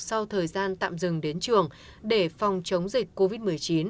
sau thời gian tạm dừng đến trường để phòng chống dịch covid một mươi chín